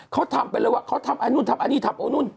เค้าทำไปเลยว่าคือคิดว่าคุณทำอันนี้อันนู้น